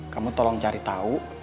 kamu tolong cari tahu